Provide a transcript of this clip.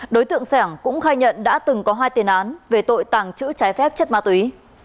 đối tượng sẻng cũng khai nhận đã từng có hai tiền án về tội tàng trữ trái phép chất ma túy